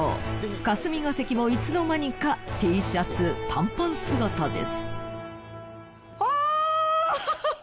霞が関もいつの間にかＴシャツ短パン姿です。